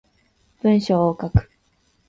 文章を書く